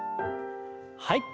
はい。